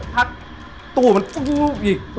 ถัดตู้มันปุ๊บอีก